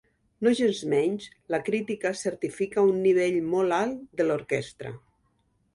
Nogensmenys, la crítica certifica un nivell molt alt de l'orquestra.